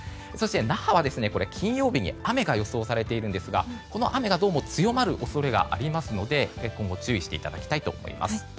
那覇は金曜日に雨が予想されているんですが雨がどうも強まる恐れがありますので今後注意していただきたいと思います。